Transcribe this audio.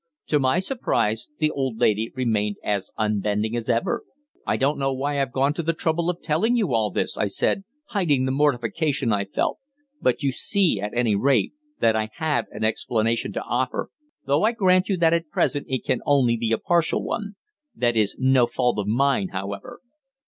To my surprise the old lady remained as unbending as ever. "I don't know why I've gone to the trouble of telling you all this," I said, hiding the mortification I felt, "but you see, at any rate, that I had an explanation to offer, though I grant you that at present it can only be a partial one. That is no fault of mine, however."